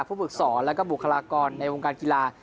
ผู้ปลึกศรและบุคลากรในวงการกีฬา